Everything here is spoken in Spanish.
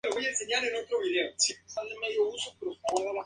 La Anunciación y la oración en el huerto se representan en el primer cuerpo.